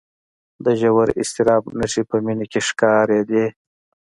د ژور اضطراب نښې په مينې کې ښکارېدې